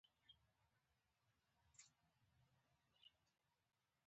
د ظفرحسن آیبک خاطرات بل څه ښيي.